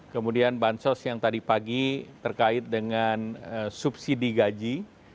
kemudian bansos yang tadi pagi terkait dengan subsidi gaji